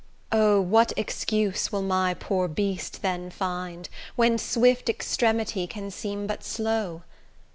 O! what excuse will my poor beast then find, When swift extremity can seem but slow?